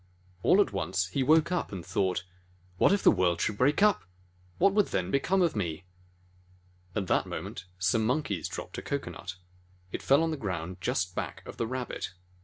All at once he woke up, and thought: "What if the world should break up! What then would become of me?" At that moment, some Monkeys dropped a cocoa nut. It fell down on the ground just back of the Rabbit.